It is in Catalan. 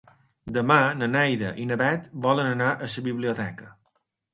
Demà na Neida i na Bet volen anar a la biblioteca.